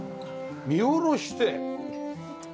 見下ろして緑が。